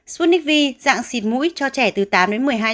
sputnik v dạng xịt mũi cho trẻ từ tám đến một mươi hai tuổi